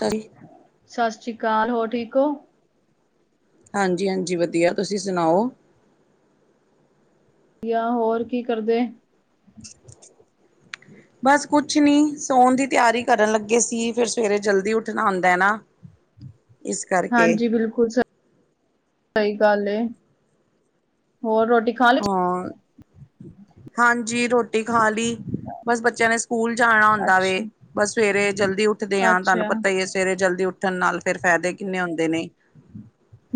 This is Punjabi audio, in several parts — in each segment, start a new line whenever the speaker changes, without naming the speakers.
ਸਾਰੀ
ਸਤਿ ਸ੍ਰੀ ਅਕਾਲ ਹੋਰ ਠੀਕ ਹੋ।
ਹਾਂਜੀ, ਹਾਂਜੀ ਵਧੀਆ ਤੁਸੀਂ ਸੁਣਾਓ?
ਜਾਂ ਹੋਰ ਕੀ ਕਰਦੇ?
ਬਸ ਕੁਛ ਨਹੀਂ ਸੌਣ ਦੀ ਤਿਆਰੀ ਕਰਨ ਲੱਗੇ ਸੀ, ਫਿਰ ਸਵੇਰੇ ਜਲਦੀ ਉੱਠਣਾ ਆਉਂਦਾ ਨਾ।
ਹ [inaudible] [unintelligible]
ਇਸ ਕਰਕੇ
ਹਾਂਜੀ ਬਿਲਕੁਲ ਸ ਸਹੀ ਗੱਲ ਹੋਰ ਰੋਟੀ ਖਾ ਲਈ
ਹਾਂ ਹਾਂਜੀ ਰੋਟੀ ਖਾ ਲਈ ਬਸ ਬੱਚਿਆਂ ਨੇ ਸਕੂਲ ਜਾਣਾ ਹੁੰਦਾ ਵ
ਅੱਛਾ
ਬਸ ਸਵੇਰੇ ਜਲਦੀ ਉੱਠਦੇ ਆਾ ਤੁਹਾਨੂੰ
ਅੱਛਾ
ਪਤਾ ਹ ਸਵੇਰੇ ਜਲਦੀ ਉੱਠਣ ਨਾਲ ਫੇਰ ਫਾਇਦੇ ਕਿੰਨੇ ਹੁੰਦੇ ਨੇ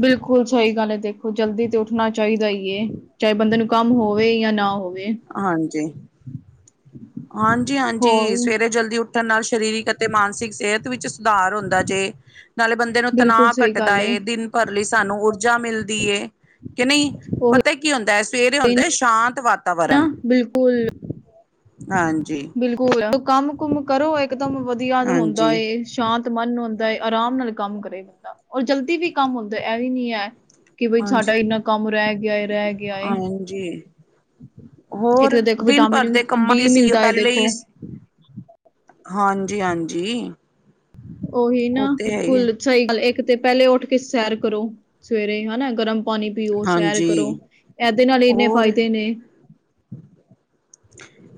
ਬਿਲਕੁਲ ਸਹੀ ਗੱਲ ਹੈ। ਦੇਖੋ ਜਲਦੀ ਤੇ ਉੱਠਣਾ ਚਾਹੀਦਾ ਹੀ ਹੈ ਬੰਦੇ ਨੂੰ ਕੰਮ ਹੋਵੇ ਜਾਂ ਨਾ ਹੋਵੇ
ਹਾਂਜੀ'
ਹੋਰ
ਹਾਂਜੀ-ਹਾਂਜੀ ਸਵੇਰੇ ਜਲਦੀ ਉਠ ਉਠਣ ਨਾਲ ਸਰੀਰਕ ਅਤੇ ਮਾਨਸਿਕ ਸਿਹਤ ਵਿੱਚ ਸੁਧਾਰ ਹੁੰਦਾ ਜੇ ਨਾਲੇ ਬੰਦੇ ਦਿ ਨੂੰ
ਬਿਲਕੁਲ
ਤਣਾਅ
ਸਹੀ
ਕੱਟਦਾ
ਗੱਲ
ਏ ਦਿਨ ਭਰ ਲਈ ਸਾਨੂੰ ਊਰਜਾ ਮਿਲਦੀ ਏ ਕਿ ਨਹੀਂ
ਉਹੀ
ਪਤਾ ਕੀ ਹੁੰਦਾ ਹੈ। ਸਵੇਰੇ ਹੁੰਦਾ ਸ਼ਾਂਤ ਵ
ਨਾ ਬਿਲਕੁਲ
ਹਾਂਜੀ।
ਬਿਲਕੁਲ ਸਕੂਲ ਕੰਮ ਕੁਮ ਕਰੋ ਇਕਦਮ ਵਧੀਆ ਹੁੰਦਾ
ਹਾਂਜੀ,
ਏ ਸ਼ਾਂਤ ਮਨ ਹੁੰਦਾ ਹੈ। ਆਰਾਮ ਨਾਲ ਕੰਮ ਕਰੇ ਬੰਦਾ ਔਰ ਜਲਦੀ ਵੀ ਕੰਮ ਹੁੰਦਾ ਇਹ ਵੀ ਨੀ ਹੈ ਕਿ ਬਈ
ਹਾਂਜੀ,
ਸਾਡਾ ਇੰਨਾ ਕੰਮ ਰਹਿ ਗਿਆ, ਰਹਿ ਗਿਆ ਹੈ।
ਜੀ' ਹੋਰ
ਦੇਖੋ
ਦਿਨ ਭਰ
ਵਿਟਾਮਿਨ
ਦੇ ਕੰਮਾਂ ਦੀ
ਡੀ
ਅਸੀ
ਮਿਲਦਾ ਹੈ
ਪਹਿਲੇ
ਦੇਖੋ
ਹੀ ਹਾਂਜੀ-ਹਾਂਜੀ
ਉਹੀ ਨਾ
ਉਹ ਤੇ ਹੈ ਹੀ ਹੈ।
ਬਿਲਕੁਲ ਸਹੀ ਗੱਲ ਇੱਕ ਤੇ ਪਹਿਲੇ ਉੱਠ ਕੇ ਸੈਰ ਕਰੋ ਸਵੇਰੇ ਹਨਾ ਗਰਮ ਪਾਣੀ ਪੀਓ, ਸੈਰ
ਹਾਂਜੀ
ਕਰੋ ਇਹਦੇ ਨਾਲ ਇੰਨੇ
ਹੋਰ
ਫਾਇਦੇ ਨੇ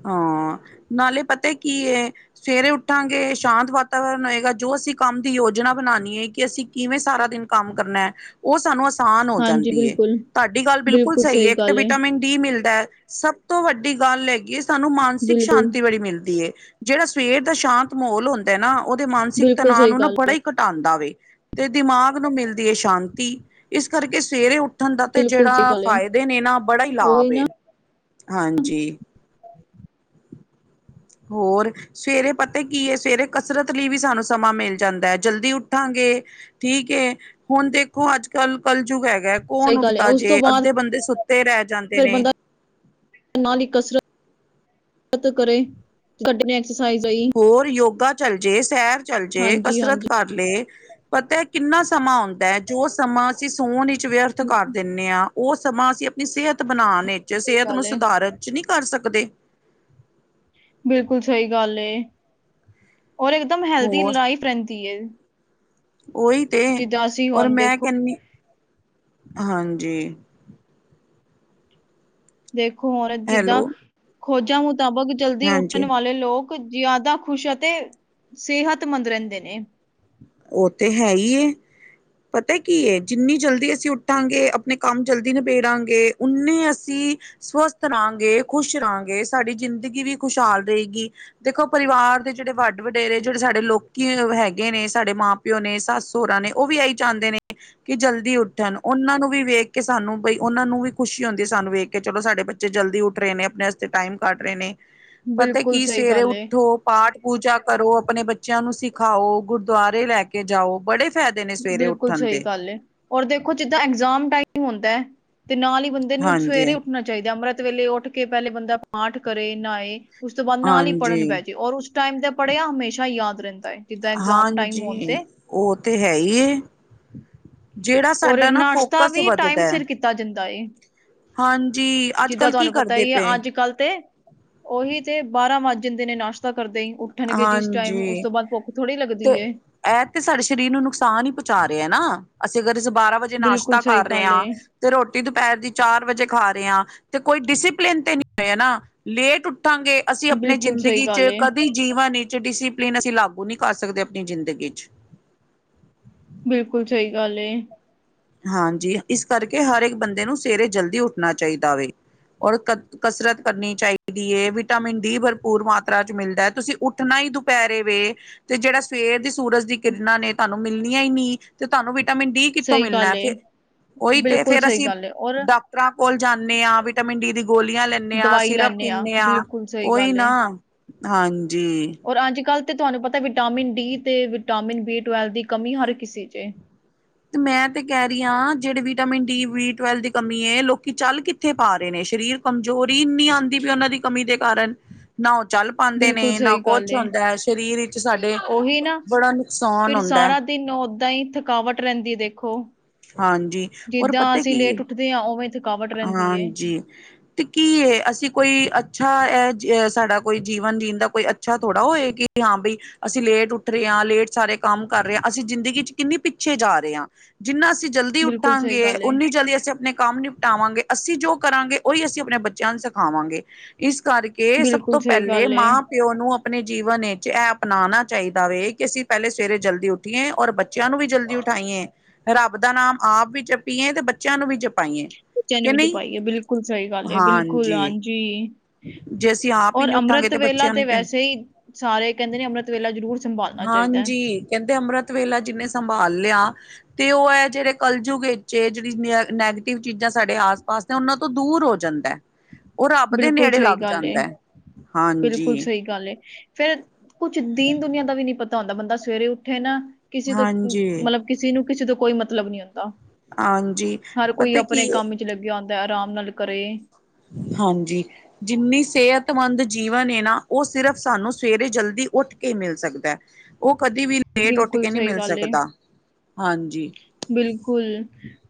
ਹਾਂ' ਨਾਲੇ ਪਤਾ ਕੀ ਹੈ ਸਵੇਰੇ ਉੱਠਾਂਗੇ ਸ਼ਾਂਤ ਵਾਤਾਵਰਨ ਹੋਏਗਾ ਜੋ ਅਸੀਂ ਕੰਮ ਦੀ ਯੋਜਨਾ ਬਣਾਉਣੀ ਹੈ ਕਿ ਅਸੀਂ ਕਿਵੇਂ ਸਾਰਾ ਦਿਨ ਕੰਮ ਕਰਨਾ ਹੈ। ਉਹ ਸਾਨੂੰ ਆਸਾਨ ਹੋ
ਹਾਂਜੀ
ਜਾਂਦਾ
ਬਿਲਕੁਲ
ਤੁਹਾਡੀ ਗੱਲ ਬਿਲਕੁਲ ਸਹੀ ਹੈ। ਇੱਕ ਤੇ ਵਿਟਾਮਿਨ ਕੀ ਮਿਲਦਾ ਹੈ। ਸਭ ਤੋਂ ਵੱਡੀ ਗੱਲ ਹੈਗੀਏ ਸਾਨੂੰ ਮਾਨਸਿਕ
ਬਿਲਕੁਲ
ਸ਼ਾਂਤੀ ਬੜੀ ਮਿਲਦੀ ਹੈ। ਜਿਹੜਾ ਸਵੇਰ ਦਾ ਸ਼ਾਂਤ ਮਾਹੌਲ ਹੁੰਦਾ ਨਾ' ਉਹਦੇ ਮਾਨਸਿਕ
ਬਿਲਕੁਲ
ਤਣਾਅ
ਸਹੀ
ਨੂੰ ਨਾ
ਗੱਲ ਹੈ
ਬੜਾ ਹੀ ਘਟਾਉਂਦਾ ਵ ਤੇ' ਦਿਮਾਗ ਨੂੰ ਮਿਲਦੀ ਹੈ ਸ਼ਾਂਤੀ। ਇਸ ਕਰਕੇ ਸਵੇਰੇ ਉੱਠ ਉੱਠਣ ਦਾ ਤੇ
ਬਿਲਕੁਲ ਸਹੀ
ਜਿਹੜਾ'
ਗੱਲ ਹੈ
ਫਾਇਦੇ ਨੇ ਨਾ ਬੜਾ ਹੀ
ਉਹੀ
ਲਾਭ ਐ
ਨਾ
ਹਾਂਜੀ। ਹੋਰ ਸਵੇਰੇ ਪਤਾ ਕੀ ਹੈ ਸਵੇਰੇ ਕਸਰਤ ਲਈ ਵੀ ਸਾਨੂੰ ਸਮਾਂ ਮਿਲ ਜਾਂਦਾ ਹੈ। ਜਲਦੀ ਉੱਠਾਂਗੇ ਠੀਕ ਏ' ਹੁਣ ਦੇਖੋ ਅੱਜ ਕੱਲ ਕਲਯੁਗ ਹੈ ਕੌਣ
ਸਹੀ ਗੱਲ ਹੈ
ਉੱਠਦਾ
ਉਸ ਤੋਂ
ਜੇ
ਬਾਅਦ
ਅੱਧੇ ਬੰਦੇ ਸੁੱਤੇ ਰਹਿ ਜਾਂਦੇ
ਫਿਰ
ਨੇ
ਬੰਦਾ ਨਾਲ ਹੀ ਕਸਰਤ ਕਰੇ ਸਾਡੇ ਨੇ [unintelligible]
ਹੋਰ ਯੋਗਾ ਚੱਲ ਜੇ, ਸੈਰ ਚੱਲ ਜੇ,
ਹਾਂਜੀ
ਕਸਰਤ
ਹਾਂਜੀ
ਕਰ ਲੇ। ਪਤਾ ਹੈ ਕਿੰਨਾ ਸਮਾਂ ਹੁੰਦਾ ਹੈ ਜੋ ਸਮਾਂ ਅਸੀਂ ਸੋਣ ਵਿੱਚ ਵਿਅਰਥ ਕਰ
ਸਹੀ
ਦਿੰਦੇ ਹਾਂ ਉਹ ਸਮਾਂ ਅਸੀਂ ਸਿਹਤ ਬਣਾਉਣ ਵਿੱਚ, ਸਿਹਤ ਨੂੰ
ਗੱਲ ਹੈ
ਸੁਧਾਰਨ ਚ ਨਹੀਂ ਕਰ ਸਕਦੇ
ਬਿਲਕੁਲ ਸਹੀ ਗੱਲ ਐ ਔਰ ਇਕ ਦਮ ਹੈਲਦੀ ਲਾਈਫ ਰਹਿੰਦੀ ਹੈ।
ਓਹੀ ਤੇ
ਜਿੱਦਾਂ ਅਸੀਂ
ਔਰ
ਹੁਣ
ਮੈਂ
ਦੇਖੋ
ਕਹਿਨੀ ਹਾਂਜੀ।
ਦੇਖੋ ਔਰਤ ਜਿੱਦਾਂ
ਹੈਲੋ
ਖੋਜਾਂ ਮੁਤਾਬਕ ਜਲਦੀ
ਹਾਂਜੀ
ਉੱਠਣ ਵਾਲੇ ਲੋਕ ਲੋਕ ਜ਼ਿਆਦਾ ਖੁਸ਼ ਤੇ ਸਿਹਤਮੰਦ ਰਹਿੰਦੇ ਨੇ
ਉਹ ਤੇ ਹੈ ਹੀ ਏ ਪਤਾ ਕੀ ਜਿੰਨੀ ਜਲਦੀ ਅਸੀਂ ਉੱਠਾਂਗੇ ਆਪਣੇ ਕੰਮ ਜਲਦੀ ਨਿਬੇੜਾਂਗੇ ਉਨੇ ਅਸੀਂ ਸਵਸਥ ਰਹਾਂਗੇ, ਖ਼ੁਸ਼ ਰਹਾਂਗੇ ਸਾਡੀ ਜ਼ਿੰਦਗੀ ਵੀ ਖੁਸ਼ਹਾਲ ਰਹੇਗੀ। ਦੇਖੋ ਪਰਿਵਾਰ ਦੇ ਜਿਹੜੇ ਵਡ ਵਡੇਰੇ ਜਿਹੜੇ ਸਾਡੇ ਲੋਕੀ ਹੈਗੇ ਨੇ ਸਾਡੇ ਮਾਂ ਪਿਓ, ਨੇ ਸੱਸ ਸਹਰਾ ਨੇ, ਉਹ ਵੀ ਇਹੀ ਚਾਹੁੰਦੇ ਨੇ ਕਿ ਜਲਦੀ ਉੱਠਣ ਉਹਨਾਂ ਨੂੰ ਵੀ ਵੇਖ ਕੇ ਸਾਨੂੰ ਬਈ ਉਹਨਾਂ ਨੂੰ ਵੀ ਖੁਸ਼ੀ ਹੁੰਦੀ ਸਾਨੂੰ ਵੇਖ ਕੇ ਕਿ ਚਲੋ ਸਾਡੇ ਬੱਚੇ ਜਲਦੀ ਉੱਠ ਰਹੇ ਨੇ ਆਪਣੇ ਵਸਤੇ ਟਾਈਮ ਕਢ ਰਹੇ ਨੇ ਪਤਾ
ਬਿਲਕੁਲ
ਕੀ
ਸਹੀ
ਸਵੇਰੇ
ਗੱਲ ਏ
ਉੱਠੋ ਪਾਠ ਪੂਜਾ ਕਰੋ, ਆਪਣੇ ਬੱਚਿਆਂ ਨੂੰ ਸਿਖਾਓ, ਗੁਰਦੁਆਰੇ ਲੈ ਕੇ ਜਾਓ, ਬੜੇ ਫਾਇਦੇ ਨੇ ਸਵੇਰੇ
ਬਿਲਕੁਲ
ਉੱਠਣ
ਸਹੀ
ਦੇ
ਗੱਲ ਏ ਔਰ ਦੇਖੋ ਜਿੱਦਾਂ ਐਗਜਾਮ ਟਾਈਮ ਹੁੰਦਾ ਹੈ ਤੇ ਨਾਲ ਹੀ ਬੰਦੇ ਨੂੰ
ਹਾਂਜੀ
ਸਵੇਰੇ ਉੱਠਣਾ ਚਾਹੀਦਾ ਅੰਮ੍ਰਿਤ ਵੇਲੇ ਉੱਠ ਕੇ ਪਹਿਲੇ ਬੰਦਾ ਪਾਠ ਕਰੇ, ਨਾਏ ਉਸ ਤੋਂ ਬਾਅਦ ਨਾਲ ਹੀ ਪੜ੍ਹਨ
ਹਾਂਜੀ
ਬਹਿਜੇ ਔਰ ਉਸ ਟਾਈਮ ਤੇ ਪੜ੍ਹਿਆ ਹਮੇਸ਼ਾ ਯਾਦ ਰਹਿੰਦਾ ਹੈ ਜਿੱਦਾਂ ਇਗਜ਼ਾਮ ਟਾਈਮ ਹੋਣ
ਹਾਂਜੀ
ਤੇ।
ਉਹ ਤੇ ਹੈ ਹੀ। ਜਿਹੜਾ
ਔਰ
ਸਾਡਾ ਨਾ
ਨਾਸ਼ਤਾ
ਫੋਕਸ
ਵੀ
ਵੱਧਦਾ
ਟਾਈਮ
ਹੈ।
ਸਿਰ ਕੀਤਾ ਜਾਂਦਾ ਏ।
ਹਾਂਜੀ ਅੱਜ
ਜਿੱਦਾਂ
ਕੱਲ ਕੀ
ਤੁਹਾਨੂੰ ਪਤਾ
ਕਰਦੇ
ਹੀ ਹੈ
ਪਏ
ਅੱਜ ਕੱਲ੍ਹ ਤੇ ਉਹੀ ਤੇ ਬਾਰਾਂ ਵੱਜ ਜਾਂਦੇ ਨੇ ਨਾਸ਼ਤਾ ਕਰਦੇ ਹੀ ਉੱਠਣਗੇ ਜਿਸ ਟਾਈਮ ਉਸ
ਹਾਂਜੀ
ਤੋਂ ਬਾਅਦ ਭੁੱਖ ਥੋੜੀ ਲੱਗਦੀ ਏ।
ਐਹ ਤੇ ਸਾਡੇ ਸਰੀਰ ਨੂੰ ਨੁਕਸਾਨ ਹੀ ਪਹੁੰਚਾ ਰਿਹਾ ਹੈ ਨਾ ਅਸੀਂ ਅਗਰ ਅ ਬਾਰਾਂ ਵਜੇ
ਬਿਲਕੁਲ
ਨਾਸ਼ਤਾ
ਸਹੀ
ਕਰ ਰਹੇ
ਗੱਲ
ਹਾਂ।
ਏ
ਤੇ ਰੋਟੀ ਦੁਪਹਿਰ ਦੀ ਚਾਰ ਵਜੇ ਖਾ ਰਹੇ ਹ। ਤੇ ਕੋਈ ਡਿਸਿਪਲਿਨ ਤੇ ਨਹੀਂ ਹੈ ਨਾ ਲੇਟ ਉੱਠਾਂਗੇ ਅਸੀਂ ਆਪਣੇ
ਬਿਲਕੁਲ ਸਹੀ
ਜ਼ਿੰਦਗੀ
ਗੱਲ
ਚ
ਏ
ਕਦੀ ਜੀਵਨ ਵਿੱਚ ਡਿਸੀਪਲੀਨ ਅਸੀਂ ਲਾਗੂ ਨਹੀਂ ਕਰ ਸਕਦੇ ਆਪਣੀ ਜ਼ਿੰਦਗੀ ਚ।
ਬਿਲਕੁਲ ਸਹੀ ਗੱਲ ਏ।
ਹਾਂਜੀ ਇਸ ਕਰਕੇ ਹਰ ਇੱਕ ਬੰਦੇ ਨੂੰ ਸਵੇਰੇ ਜਲਦੀ ਉੱਠਣਾ ਚਾਹੀਦਾ ਵੇ ਔਰ ਕ ਕਸਰਤ ਕਰਨੀ ਚਾਹੀਦੀ ਹੈ ਵਿਟਾਮਿਨ ਡੀ ਭਰਪੂਰ ਮਾਤਰਾ ਚ ਮਿਲਦਾ ਤੁਸੀਂ ਉੱਠਣਾ ਹੀ ਦੁਪਹਿਰੇ ਵੇ ਤੇ ਜਿਹੜਾ ਸਵੇਰ ਦੀ ਸੂਰਜ ਦੀ ਕਿਰਨਾਂ ਨੇ ਤੁਹਾਨੂੰ ਮਿਲਣੀਆਂ ਹੀ ਨਹੀਂ ਤੇ ਤੁਹਾਨੂੰ ਵਿਟਾਮਿਨ ਡੀ ਕਿੱਥੋਂ
ਸਹੀ
ਮਿਲਣਾ
ਗੱਲ
ਫਿਰ।
ਏ
ਉਹੀ ਤੇ
ਬਿਲਕੁਲ
ਫੇਰ
ਸਹੀ
ਅਸੀਂ
ਗੱਲ ਏ ਔਰ
ਡਾਕਟਰਾਂ ਕੋਲ ਜਾਣੇ ਹਾਂ ਵਿਟਾਮਿਨ ਡੀ ਦੀ ਗੋਲੀਆਂ ਲੈਣੇ ਹਾਂ
ਦਵਾਈ
ਸਿਰਪ
ਲੈਂਦੇ
ਪੀਣੇ ਆ
ਬਿਲਕੁਲ ਸਹੀ
ਉਹੀ
ਗੱਲ
ਨਾ
ਏ
ਹਾਂਜੀ।
ਔਰ ਅੱਜ ਕੱਲ੍ਹ ਤੇ ਤੁਹਾਨੂੰ ਪਤਾ ਵਿਟਾਮਿਨ ਡੀ ਤੇ ਵਿਟਾਮਿਨ ਬੀ ਟਵੈਲ ਦੀ ਕਮੀ ਹਰ ਕਿਸੇ ਚ ਏ।
ਮੈਂ ਤੇ ਕਹਿ ਰਹੀ ਹਾਂ ਜਿਹੜੇ ਵਿਟਾਮਿਨ ਡੀ ਵੀ ਟਵੈਲ ਦੀ ਕਮੀ ਹੈ ਲੋਕੀ ਚੱਲ ਕਿਥੇ ਪਾ ਰਹੇ ਨੇ ਸਰੀਰ ਕਮਜ਼ੋਰ ਹੀ ਇੰਨੀ ਆਉਂਦੀ ਪਈ ਉਹਨਾਂ ਦੀ ਕਮੀ ਦੇ ਕਾਰਨ। ਨਾ ਉਹ ਚੱਲ ਪਾਦੇ ਨੇ
ਬਿਲਕੁਲ
ਨਾ
ਸਹੀ ਗੱਲ
ਕੁਛ
ਏ
ਹੁੰਦਾ ਹੈ ਸਰੀਰ ਵਿੱਚ ਸਾਡੇ ਬੜਾ ਨੁਕਸਾਨ ਹੁੰਦਾ ਹੈ।
ਤਨੂੰ ਓਦਾਂ ਹੀ ਥਕਾਵਟ ਰਹਿੰਦੀ ਹੈ ਦੇਖੋ
ਹਾਂਜੀ ਔਰ
ਜਿੱਦਾਂ
ਪਤਾ
ਅਸੀਂ
ਕੀ ਹੈ।
ਲੇਟ ਉੱਠਦੇ ਆ ਉਹਵੇ
ਹਾਂਜੀ। ਤੇ ਕੀ ਹੈ ਅਸੀਂ ਕੋਈ ਅੱਛਾ ਹੈ ਸਾਡਾ ਕੋਈ ਜੀਵਨ ਜੀਣ ਦਾ ਕੋਈ ਅੱਛਾ ਥੋੜ੍ਹਾ ਹੋਏ ਕਿ। ਹਾਂ ਬਈ ਅਸੀਂ ਲੇਟ ਉੱਠ ਰਹੇ ਹਾਂ ਲੇਟ ਸਾਰੇ ਕੰਮ ਕਰ ਰਹੇ ਹਾਂ, ਅਸੀਂ ਜ਼ਿੰਦਗੀ ਚ ਕਿੰਨੀ ਪਿੱਛੇ ਜਾ ਰਹੇ ਹਾਂ, ਜਿੰਨਾ ਅਸੀਂ ਜਲਦੀ
ਬਿਲਕੁਲ ਸਹੀ
ਉੱਠਾਂਗੇ,
ਗੱਲ ਏ
ਉਂਨੀ ਜਲਦੀ ਅਸੀਂ ਆਪਣੇ ਕੰਮ ਨਿ- ਟਾਵਾਂਗੇ, ਅਸੀਂ ਜੋ ਕਰਾਂਗੇ, ਉਹੀ ਅਸੀਂ ਆਪਣੇ ਬੱਚਿਆਂ ਨੂੰ ਸਿਖਾਵਾਂਗੇ, ਇਸ ਕਰਕੇ ਕੇ, ਸਭ
ਬਿਲਕੁਲ
ਤੋਂ
ਸਹੀ
ਪਹਿਲੇ
ਗੱਲ ਏ,
ਮਾਂ ਪਿਓ ਨੂੰ, ਆਪਣੇ ਜੀਵਨ ਵਿੱਚ ਇਹ ਅਪਨਾਣਾ ਚਾਹੀਦਾ ਵੇ ਕਿ, ਅਸੀਂ ਪਹਿਲੇ ਸਵੇਰੇ ਜਲਦੀ ਉਠ ਉੱਠੀਏ, ਔਰ ਬੱਚਿਆਂ ਨੂੰ ਵੀ ਜਲਦੀ ਉਠਾਈਏ। ਰੱਬ ਦਾ ਨਾਮ, ਆਪ ਵੀ ਜਪੀਏ ਤੇ ਬੱਚਿਆਂ ਨੂੰ ਵੀ ਜਪਾਈਂਏ।
ਬੱਚਿਆਂ ਨੂੰ ਵੀ ਜਪਾਈਏ, ਬਿਲਕੁਲ ਸਹੀ ਗੱਲ ਏ, ਬਿਲਕੁਲ,
ਹਾਂਜੀ
ਹਾਂਜੀ।
ਜੇ ਅਸੀਂ ਆਪ ਹੀ
ਔਰ
ਨੀ ਉੱਠਾਂਗੇ
ਅੰਮ੍ਰਿਤ ਵੇਲਾ
ਬੱਚਿਆਂ
ਤੇ
ਨੂੰ ਕਿ
ਵੈਸੇ ਹੀ ਸਾਰੇ ਕਹਿੰਦੇ ਨੇ, ਅੰਮ੍ਰਿਤ ਵੇਲਾ ਜ਼ਰੂਰ ਸੰਭਾਲਣਾ ਚਾਹੀਦਾ ਹੈ।
ਹਾਂਜੀ ਕਹਿੰਦੇ, ਅੰਮ੍ਰਿਤ ਵੇਲਾ ਜਿਹਨੇ ਸੰਭਾਲ ਲਿਆ ਤੇ ਉਹ ਐ ਜਿਹੜੇ, ਕਲਜੁਗ ਵਿੱਚ ਜਿਹੜੀ ਨ ਨੈਗੇਟਿਵ ਚੀਜ਼ਾਂ ਸਾਡੇ ਆਸ- ਪਾਸ ਨੇ, ਉਹਨਾਂ ਤੋਂ ਦੂਰ ਹੋ ਜਾਂਦਾ।
[inaudible]
ਉਹ, ਰੱਬ ਦੇ
ਬਿਲਕੁਲ
ਨੇੜੇ
ਸਹੀ
ਲੱਗ
ਗੱਲ ਏ,
ਜਾਂਦਾ,
ਬਿਲਕੁਲ
ਹਾਂਜੀ।
ਸਹੀ ਗੱਲ ਏ, ਫੇਰ ਕੁਛ ਦੀਨ- ਦੁਨੀਆਂ ਦਾ ਵੀ ਨਹੀਂ ਪਤਾ ਹੁੰਦਾ, ਬੰਦਾ ਸਵੇਰੇ ਉੱਠੇ ਨਾ ਕਿਸੇ ਤੋਂ
ਹਾਂਜੀ
ਮਤਲਬ, ਕਿਸੇ ਨੂੰ ਕਿਸੇ ਤੋਂ ਕੋਈ ਮਤਲਬ ਨੀ ਹੁੰਦਾ।
ਹਾਂਜੀ,
ਹਰ ਕੋਈ
ਪਤਾ
ਆਪਣੇ
ਕੀ।
ਕੰਮ ਵਿੱਚ ਲੱਗਿਆ ਹੁੰਦਾ, ਆਰਾਮ ਨਾਲ ਕਰੇ।
ਹਾਂਜੀ। ਜਿੰਨੀ ਸਿਹਤਮੰਦ ਜੀਵਨ ਏ ਨਾ, ਉਹ ਸਿਰਫ ਸਾਨੂੰ ਸਵੇਰੇ ਜਲਦੀ ਉੱਠ ਕੇ ਮਿਲ ਸਕਦਾ। ਉਹ ਕਦੇ ਵੀ, ਲੇਟ ਉੱਠ
ਬਿਲਕੁਲ
ਕੇ ਨਹੀਂ
ਸਹੀ
ਮਿਲ
ਗੱਲ ਏ।
ਸਕਦਾ, ਹਾਂਜੀ।
ਬਿਲਕੁਲ,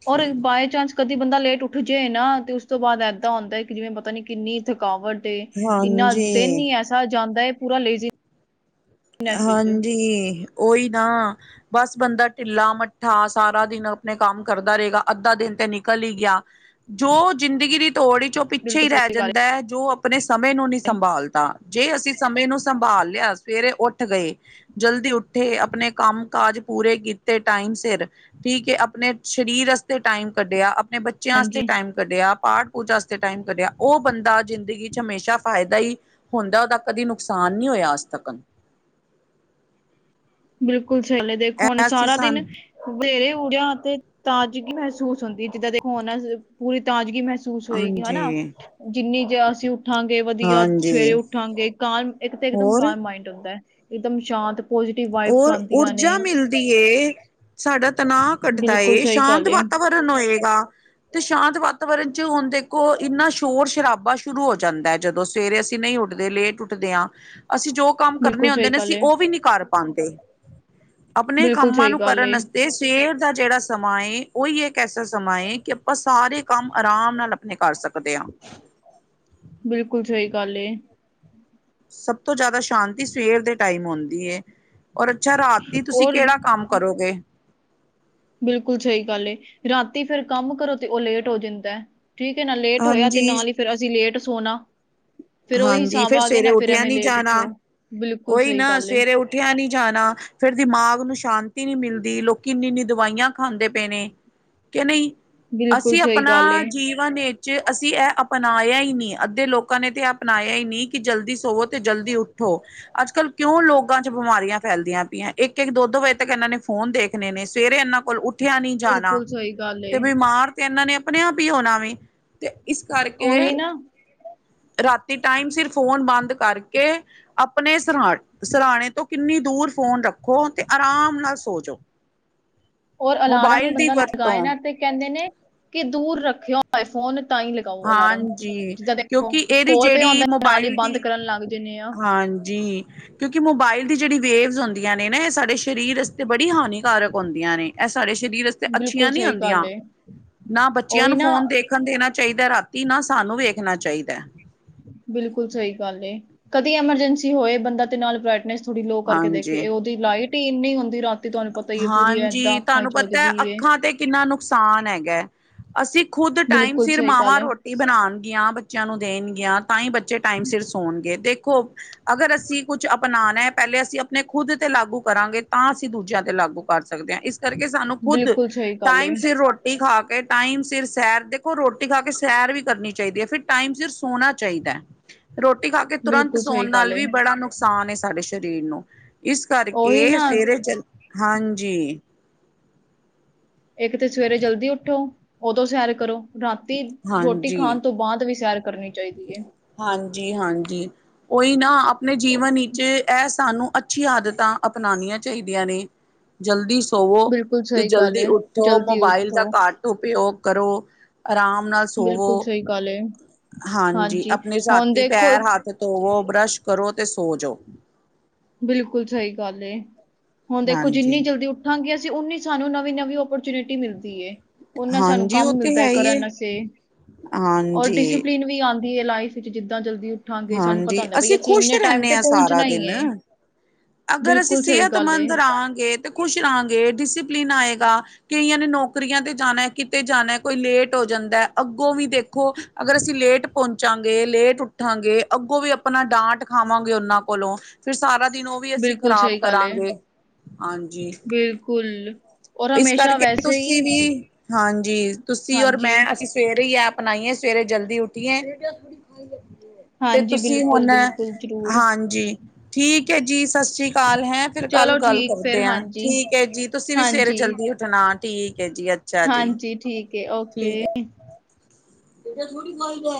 ਔਰ ਬਾਏ ਚਾਂਸ ਕਦੀ ਬੰਦਾ ਲੇਟ ਉੱਠ ਜਾਏ ਨਾ, ਤੇ ਉਸ ਤੋਂ ਬਾਅਦ ਏਦਾਂ ਹੁੰਦਾ ਹੈ ਕਿ, ਜਿਵੇਂ ਪਤਾ ਨੀ ਕਿੰਨੀ ਥਕਾਵਟ ਏ, ਇੰਨਾ ਦਿਨ
ਹਾਂਜੀ
ਹੀ ਐਸਾ ਜਾਂਦਾ ਏ, ਪੂਰਾ ਲੇਜ਼ੀ
ਹਾਂਜੀ, ਉਹੀ ਨਾ ਬਸ, ਬੰਦਾ ਢਿੱਲਾ -ਮੱਠਾ ਠਾ, ਸਾਰਾ ਦਿਨ ਆਪਣੇ ਕੰਮ ਕਰਦਾ ਰਹੇਗਾ। ਅੱਧਾ ਦਿਨ ਤੇ ਨਿਕਲ ਹੀ ਗਿਆ, ਜੋ ਜ਼ਿੰਦਗੀ ਦੀ ਦੌੜ ਚ, ਉਹ ਪਿੱਛੇ
ਬਿਲਕੁਲ
ਹੀ ਰਹਿ
ਸਹੀ ਗੱਲ ਏ।
ਜਾਂਦਾ ਹੈ ਜੋ ਆਪਣੇ ਸਮੇਂ ਨੂੰ ਨਹੀਂ ਸੰਭਾਲਦਾ, ਜੇ ਅਸੀਂ ਸਮੇਂ ਨੂੰ ਸੰਭਾਲ ਲਿਆ ਸਵੇਰ ਉੱਠ ਗਏ, ਜਲਦੀ ਉੱਠੇ, ਆਪਣੇ ਕੰਮ- ਕਾਜ ਪੂਰੇ ਕੀਤੇ ਟਾਈਮ ਸਿਰ ਠੀਕ ਏ, ਆਪਣੇ ਸਰੀਰ ਵਾਸਤੇ ਟਾਈਮ ਕੱਢਿਆ, ਆਪਣੇ ਬੱਚਿਆਂ ਵਾਸਤੇ
ਹਾਂਜੀ,
ਟਾਈਮ ਕੱਢਿਆ, ਪਾਠ ਪੂਜਾ ਵਾਸਤੇ ਟਾਈਮ ਕੱਢਿਆ, ਉਹ ਬੰਦਾ ਜ਼ਿੰਦਗੀ ਚ, ਹਮੇਸ਼ਾ ਫਾਇਦਾ ਹੀ ਹੁੰਦਾ, ਉਹਦਾ ਕਦੀ ਨੁਕਸਾਨ ਨਹੀਂ ਹੋਇਆ, ਅੱਜ ਤੱਕਣ।
ਬਿਲਕੁਲ ਸਹੀ ਗੱਲ, ਦੇਖੋ ਹੁਣ
ਐ ਸੀ
ਸਾਰਾ
ਸਨ
ਦਿਨ ਸਵੇਰੇ ਉਠੇ ਆਂ ਤੇ, ਤਾਜ਼ਗੀ ਮਹਿਸੂਸ ਹੁੰਦੀ ਜਿੱਦਾਂ ਦੇਖੋ ਮਹਿਸੂਸ ਹੋਏਗੀ ਹਨਾ,
ਹਾਂਜੀ
ਜਿੰਨੀ ਜੇ ਅਸੀਂ ਉੱਠਾਂਗੇ, ਵਧੀਆ
ਹਾਂਜੀ
ਸਵੇਰੇ ਉੱਠਾਂਗੇ, ਕਾਰਮ, ਇੱਕ ਤੇ ਇਕ ਦਮ
ਹੋਰ
ਕਾਰਮ ਮਾਈੰਡ ਹੁੰਦਾ, ਇੱਕਦਮ ਸ਼ਾਂਤ ਪੋ
ਹੋਰ ਊਰਜਾ ਮਿਲਦੀ ਏ, ਸਾਡਾ ਤਨਾਅ ਘੱਟਦਾ
ਬਿਲਕੁਲ
ਏ,
ਸਹੀ
ਸ਼ਾਂਤ
ਗੱਲ ਏ।
ਵਾਤਾਵਰਨ ਹੋਏਗਾ। ਤੇ ਸ਼ਾਂਤ ਵਾਤਾਵਰਨ ਚ, ਹੁਣ ਦੇਖੋ, ਇੰਨਾ ਸ਼ੋਰ ਸ਼ਰਾਬਾ ਸ਼ੁਰੂ ਹੋ ਜਾਂਦਾ। ਜਦੋਂ ਸਵੇਰੇ ਅਸੀਂ ਨਹੀਂ ਉੱਠਦੇ, ਲੇਟ ਉੱਠਦੇ ਹਾਂ, ਅਸੀਂ ਜੋ ਕੰਮ ਕਰਨੇ
ਬਿਲਕੁਲ
ਹੁੰਦੇ
ਸਹੀ
ਨੇ,
ਗੱਲ
ਅਸੀਂ
ਏ,
ਉਹ ਵੀ ਨੀ ਕਰ ਪਾਉੰਦੇ, ਆਪਣੇ
ਬਿਲਕੁਲ
ਕੰਮਾਂ
ਸਹੀ
ਨੂੰ
ਗੱਲ
ਕਰਨ
ਏ,
ਵਾਸਤੇ ਤੇ, ਸਵੇਰ ਦਾ ਜਿਹੜਾ ਸਮਾਂ ਏ, ਉਹੀ ਇੱਕ ਐਸਾ ਸਮਾਂ ਹੈ, ਕਿ ਆਪਾਂ ਸਾਰੇ ਕੰਮ ਆਰਾਮ ਨਾਲ ਆਪਣੇ, ਕਰ ਸਕਦੇ ਹਾਂ।
ਬਿਲਕੁਲ, ਸਹੀ ਗੱਲ ਏ।
ਸਭ ਤੋਂ ਜ਼ਿਆਦਾ, ਸ਼ਾਂਤੀ ਸਵੇਰ ਦੇ ਟਾਈਮ ਹੁੰਦੀ ਏ। ਔਰ ਅੱਛਾ ਰਾਤੀ, ਤੁਸੀਂ
ਔਰ
ਕਿਹੜਾ ਕੰਮ ਕਰੋਗੇ?
ਬਿਲਕੁਲ ਸਹੀ ਗੱਲ ਏ, ਰਾਤੀ ਫਿਰ ਕੰਮ ਕਰੋ, ਤੇ ਉਹ ਲੇਟ ਹੋ ਜਾਂਦਾ। ਠੀਕ ਹੈ ਨਾ ਲੇਟ ਹੋਇਆ, ਤੇ
ਹਾਂਜੀ,
ਨਾਲ ਹੀ ਫਿਰ ਅਸੀਂ ਲੇਟ ਸੋਨਾ। ਫਿਰ ਉਹੀ
ਹਾਂਜੀ
ਹਿਸਾਬ
ਫੇਰ
ਆ ਗਏ
ਸਵੇਰੇ
ਨਾ ਫੇਰ
ਉੱਠਿਆ
ਐਵੇਂ
ਨੀ
ਲੇਟ
ਜਾਣਾ।
ਉਠੋ ਬਿਲਕੁਲ ਸਹੀ ਗੱਲ ਏ।
ਉਠਿਆ ਨਹੀਂ ਜਾਣਾ। ਫਿਰ ਦਿਮਾਗ ਨੂੰ ਸ਼ਾਂਤੀ ਨਹੀਂ ਮਿਲਦੀ ਲੋਕ ਇੰਨੀ ਇੰਨੀ ਦਵਾਈਆਂ ਖਾਂਦੇ ਪਏ ਨੇ। ਕਿ ਨਹੀਂ
ਬਿਲਕੁਲ
ਅਸੀਂ
ਸਹੀ
ਆਪਣਾ
ਗੱਲ ਏ,
ਜੀਵਨ ਨੇ ਵਿੱਚ ਅਸੀਂ ਇਹ ਅਪਣਾਇਆ ਹੀ ਨਹੀਂ ਅੱਧੇ ਲੋਕਾਂ ਨੇ ਤੇ ਇਹ ਅਪਣਾਇਆ ਹੀ ਨਹੀਂ ਕਿ ਜਲਦੀ ਸੋਵੋ, ਤੇ ਜਲਦੀ ਉੱਠੋ। ਅੱਜ -ਕੱਲ੍ਹ ਕਿਉਂ ਲੋਕਾਂ ਚ ਬਿਮਾਰੀਆਂ ਫੈਲਦੀਆਂ ਪਈਆਂ ਇੱਕ -ਇੱਕ, ਦੋ -ਦੋ, ਵਜੇ ਤੱਕ ਇਹਨਾਂ ਨੇ ਫੋਨ ਦੇਖਣੇ ਨੇ, ਸਵੇਰੇ ਇਹਨਾਂ ਕੋਲ ਉੱਠ ਉਠਿਆ ਨਹੀਂ ਜਾਣਾ
ਬਿਲਕੁਲ ਸਹੀ ਗੱਲ ਏ,
ਤੇ ਬਿਮਾਰ ਤੇ ਇਹਨਾਂ ਨੇ ਆਪਣੇ ਆਪ ਹੀ ਹੋਣਾ ਵੀ ਤੇ ਇਸ ਕਰਕੇ
ਉਹੀ ਨਾ
ਰਾਤੀ ਅਤੇ ਟਾਈਮ ਸਿਰ ਫੋਨ ਬੰਦ ਕਰਕੇ ਆਪਣੇ ਸਰਾਹਣੇ
[inaudible] ਔਰ ਅਲਾਰਮ ਵੀ ਤਾਂ
ਵਰਤੋਂ
ਹੀ ਲਗਾਓ ਅਲਾਰਮ
ਹਾਂਜੀ
ਜਿੱਦਾਂ ਦੇਖੋ
ਕਿਉਂਕਿ ਇਹਦੀ
ਕੋਲ ਪਿਆ
ਜਿਹੜੀ
ਹੂੰਦਾ ਨਾਲ ਹੀ
ਮੋਬਾਇਲ
ਬੰਦ
ਦੀ
ਕਰਨ ਲੱਗ ਜਾਂਦੇ ਆ।
ਹਾਂਜੀ। ਕਿਉਂਕਿ ਮੋਬਾਇਲ ਦੀ ਜਿਹੜੀ ਵੇਵ ਹੁੰਦੀਆਂ ਨੇ ਨਾ ਇਹ ਸਾਡੇ ਸਰੀਰ ਤੇ ਬੜੀ ਹਾਨੀਕਾਰਕ ਹੁੰਦੀਆਂ ਨੇ, ਇਹ ਸਾਡੇ ਸਰੀਰ ਲਈ ਅੱਛੀਆਂ
ਬਿਲਕੁਲ
ਨਹੀਂ
ਸਹੀ ਗੱਲ
ਹੁੰਦੀਆਂ
ਏ।
ਨਾ ਬੱਚਿਆਂ
ਉਹੀ
ਨੂੰ
ਨਾ
ਫੋਨ ਦੇਖ ਦੇਖਣ ਦੇਣਾ ਚਾਹੀਦਾ ਰਾਤੀ ਨਾ ਸਾਨੂੰ ਵੇਖਣਾ ਚਾਹੀਦਾ।
ਬਿਲਕੁਲ ਸਹੀ ਗੱਲ ਏ ਕਦੀ ਐਮਰਜੈਂਸੀ ਹੋਏ ਬੰਦਾ ਤੇ ਨਾਲ ਬ੍ਰਾਈਟਨੈਸ ਲੋਅ ਕਰਕੇ
ਹਾਂਜੀ।
ਦੇਖੇ ਉਹਦੀ ਲਾਈਟ ਹੀ ਇੰਨੀ ਹੁੰਦੀ। ਤੇ ਤੁਹਾਨੂੰ ਪਤਾ ਹੀ ਏ ਪੂਰੀ ਏਦਾਂ
ਹਾਂਜੀ
ਅੱਖਾਂ
ਤੁਹਾਨੂੰ
ਚ
ਪਤਾ ਹੈ
ਵੱਜਦੀ ਏ।
ਅੱਖਾਂ ਤੇ ਕਿੰਨਾ ਨੁਕਸਾਨ ਹੈਗਾ ਅਸੀਂ ਖੁੱਦ ਟਾਈਮ
ਬਿਲਕੁਲ
ਸਿਰ
ਸਹੀ ਗੱਲ
ਮਾਵਾਂ
ਏ,
ਰੋਟੀਆਂ ਬਣਾਉਣਗੀਆਂ ਬੱਚਿਆਂ ਨੂੰ ਦੇਣਗੀਆਂ ਤਾਂ ਹੀ ਬੱਚੇ ਟਾਈਮ ਸਿਰ ਸੌਣਗੇ ਦੇਖੋ ਅਗਰ ਅਸੀਂ ਕੁਛ ਅਪਣਾ ਨਾ ਪਹਿਲੇ ਅਸੀਂ ਆਪਣੇ ਖੁੱਦ ਤੇ ਲਾਗੂ ਕਰਾਂਗੇ ਤਾਂ ਅਸੀਂ। ਦੂਜਿਆਂ ਤੇ ਲਾਗੂ ਕਰ ਸਕਦੇ ਹਾਂ ਇਸ ਕਰਕੇ ਸਾਨੂੰ ਖੁੱਦ
ਬਿਲਕੁਲ ਸਹੀ ਗੱਲ ਏ,
ਟਾਈਮ ਸਿਰ ਰੋਟੀ ਰੋਟੀ ਖਾ ਕੇ ਟਾਈਮ ਸਿਰ ਸੈਰ ਦੇਖੋ ਰੋਟੀ ਖਾ ਕੇ ਸੈਰ ਵੀ ਕਰਨੀ ਚਾਹੀਦੀ ਹੈ ਫਿਰ ਟਾਈਮ ਸਿਰ ਸੋਣਾ ਚਾਹੀਦਾ ਹੈ। ਰੋਟੀ ਖਾ ਕੇ ਤੁਰੰਤ
ਬਿਲਕੁਲ ਸਹੀ
ਸੌਣ
ਗੱਲ
ਨਾਲ
ਏ।
ਵੀ ਬੜਾ ਨੁਕਸਾਨ ਸਾਡੇ ਸਰੀਰ ਨੂੰ ਇਸ
ਉਹੀ
ਕਰਕੇ
ਨਾ
ਸਵੇਰੇ ਜਲ ਹਾਂਜੀ।
ਇੱਕ ਤੇ ਸਵੇਰੇ ਜਲਦੀ ਉੱਠੋ ਉਦੋਂ ਸੈਰ ਕਰੋ। ਰਾਤੀ ਰੋਟੀ ਖਾਣ
ਹਾਂਜੀ,
ਤੋਂ ਬਾਅਦ ਵੀ ਸੈਰ ਕਰਨੀ ਚਾਹੀਦੀ ਹੈ।
ਹਾਂਜੀ, ਹਾਂਜੀ ਉਹੀ ਨਾ ਆਪਣੇ ਜੀਵਨ ਵਿੱਚ ਐ ਸਾਨੂੰ ਅੱਛੀ ਆਦਤਾਂ ਅਪਣਾਉਣੀਆਂ ਚਾਹੀਦੀਆਂ ਨੇ ਜਲਦੀ ਸੋਵੋ
ਬਿਲਕੁਲ
ਤੇ
ਸਹੀ ਗੱਲ
ਜਲਦੀ
ਏ,
ਉਠੋ
ਜਲਦੀ
ਮੋਬਾਇਲ ਦਾ
ਉੱਠੋ,
ਘਟ ਉਪਯੋਗ ਕਰੋ। ਆਰਾਮ ਨਾਲ ਸੋਵੋ।
ਬਿਲਕੁਲ ਸਹੀ ਗੱਲ ਹੈ।
ਹਾਂਜੀ ਆਪਣੇ ਰਾਤੀ ਪੈਰ ਹੱਥ ਧੋਵੋ ਬਰੱਸ਼ ਕਰੋ ਤੇ ਸੋ ਜਾਓ।
ਬਿਲਕੁਲ ਸਹੀ ਗੱਲ ਏ ਹੁਣ ਦੇਖੋ ਜਿੰਨੀ
ਹਾਂਜੀ,
ਜਲਦੀ ਉਨੀ ਸਾਨੂੰ ਨਵੀਂ ਨਵੀਂ ਓਪਰਚੁਨਿਟੀ ਮਿਲਦੀ ਏ ਉਹਨਾਂ ਸਾਨੂੰ
ਹਾਂਜੀ
ਕੰਮ
ਉਹ ਤੇ
ਮਿਲਦਾ ਹੈ
ਹੀ ਏ
ਕਰਨ ਵਸ ਔਰ
ਹਾਂਜੀ।
ਡਿਸਪਲਿਨ ਵੀ ਆਉਂਦੀ ਲਾਈਫ ਵਿੱਚ ਜਿੱਦਾਂ ਜਲਦੀ ਉੱਠਾਂਗੇ ਸਾਨੂੰ ਪਤਾ
ਹਾਂਜੀ
ਹੁੰਦਾ ਬਈ ਅਸੀਂ
ਖੁਸ਼
ਇੰਨੇ ਟਾਈਮ
ਰਹਿੰਦੇ
ਤੇ
ਹਾਂ ਸਾਰਾ
ਪਹੁੰਚਣਾ ਹੀ ਏ।
ਦਿਨ ਅਗਰ ਅਸੀਂ
ਬਿਲਕੁਲ ਸਹੀ ਗੱਲ ਏ,
ਸਿਹਤਮੰਦ ਰਹਾਂਗੇ ਤਾਂ ਖੁਸ਼ ਰਹਾਂਗੇ ਡਿਸਪਲਿਨ ਆਏਗਾ। ਕਈਆਂ ਨੇ ਨੌਕਰੀਆਂ ਤੇ ਜਾਣਾ ਕਿਤੇ ਜਾਣਾ ਕੋਈ ਲੇਟ ਹੋ ਜਾਂਦਾ ਅੱਗੋਂ ਵੀ ਦੇਖ ਅਗਰ ਅਸੀਂ ਲੇਟ ਪਹੁੰਚ ਚਾਂਗੇ ਲੇਟ ਉੱਠਾਂਗੇ ਅੱਗੋਂ ਵੀ ਆਪਣਾ ਡਾਂਟ ਖਾਵਾਂਗੇ ਉਹਨਾਂ ਕੋਲੋਂ ਫਿਰ ਸਾਰਾ ਦਿਨ ਉਹ ਵੀ ਅਸੀਂ
ਬਿਲਕੁਲ
ਖ਼ਰਾਬ
ਸਹੀ ਗੱਲ ਏ,
ਕਰਾਂਗੇ ਹਾਂਜੀ।
ਬਿਲਕੁਲ। ਔਰ
ਇਸ
ਹਮੇਸ਼ਾ
ਕਰਕੇ
ਵੈਸੇ ਈ
ਤੁਸੀਂ ਵੀ ਹਾਂਜੀ ਤੁਸੀਂ ਔਰ
ਹਾਂਜੀ,
ਮੈਂ ਸੀਂ ਸਵੇਰੇ ਆ ਆਪਣਾਈਏ ਸਵੇਰੇ ਜਲਦੀ ਉੱਠੀਏ। ਤੇ
ਹਾਂਜੀ
ਤੁਸੀਂ ਹੁਣ
ਬਿਲਕੁਲ-ਬਿਲਕੁਲ ਜ਼ਰੂਰ।
ਹਾਂਜੀ। ਠੀਕ ਹੈ ਜੀ ਸਤਿ ਸ੍ਰੀ ਅਕਾਲ ਹੈਂ ਫਿਰ ਕੱਲ
ਚਲੋ
ਗੱਲ
ਠੀਕ ਫੇਰ
ਕਰਦੇ ਆ
ਹਾਂਜੀ,
ਠੀਕ ਹੈ ਜੀ। ਤੁਸੀਂ ਵੀ ਸਵੇਰੇ
ਹਾਂਜੀ,
ਜਲਦੀ ਉਠਣਾ ਠੀਕ ਹੈ ਜੀ ਅੱ
ਹਾਂਜੀ ਠੀਕ ਓਕੇ।
ਏਦਾਂ ਥੋੜੀ ਹੋਈ ਦੈ